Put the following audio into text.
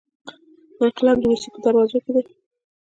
انقلاب د روسیې په دروازو کې دی.